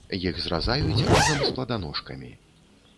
Іх зразаюць разам з пладаножкамі.